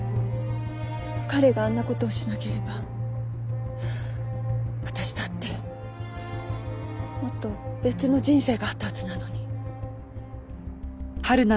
彼があんな事をしなければ私だってもっと別の人生があったはずなのに。